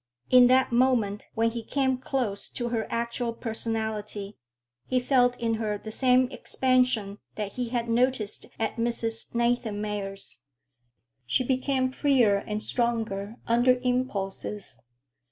In that moment when he came close to her actual personality, he felt in her the same expansion that he had noticed at Mrs. Nathanmeyer's. She became freer and stronger under impulses.